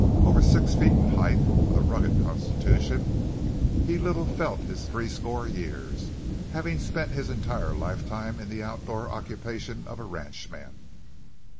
Over six feet in height, with a rugged constitution, he little felt his threescore years, having spent his entire lifetime in the outdoor occupation of a ranchman.